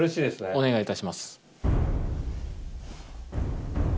お願いいたします。